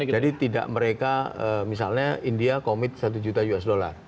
jadi tidak mereka misalnya india komit satu juta usd